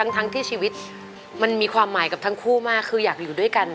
ทั้งที่ชีวิตมันมีความหมายกับทั้งคู่มากคืออยากอยู่ด้วยกัน